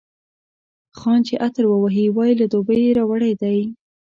خان چي عطر ووهي، وايي له دوبۍ یې راوړی دی.